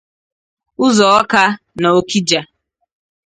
Uzoawka na Okija